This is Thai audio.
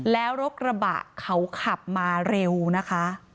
แล้วรถกระบะเขาขับมาเร็วนะคะ